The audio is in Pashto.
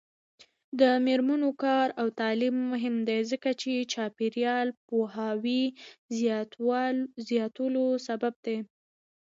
د میرمنو کار او تعلیم مهم دی ځکه چې چاپیریال پوهاوي زیاتولو سبب دی.